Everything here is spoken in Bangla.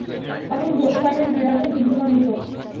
তখন বলতে পারবেন, বিড়ালটা জীবিত না মৃত?